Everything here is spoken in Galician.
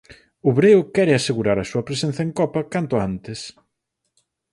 O Breo quere asegurar a súa presenza en Copa canto antes.